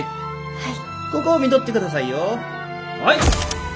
はい。